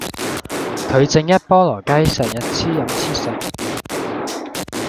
佢正一菠蘿雞成日黐飲黐食